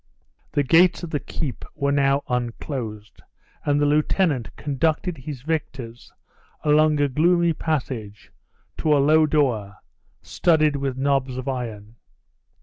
The gates of the keep were now unclosed, and the lieutenant conducted his victors along a gloomy passage, to a low door, studded with knobs of iron.